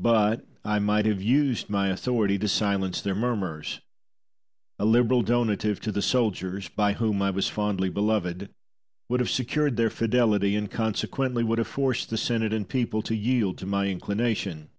But I might have used my authority to silence their murmurs. A liberal donative to the soldiers, by whom I was fondly beloved, would have secured their fidelity, and consequently would have forced the Senate and people to yield to my inclination.